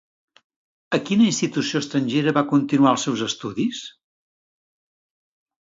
A quina institució estrangera va continuar els seus estudis?